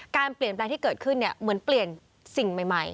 การเปลี่ยนแปลงที่เกิดขึ้นเหมือนเปลี่ยนสิ่งใหม่